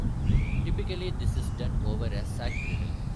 Typically, this is done over a "sac" griddle.